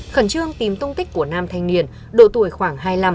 khẩn trương tìm tung tích của nam thanh niên độ tuổi khoảng hai mươi năm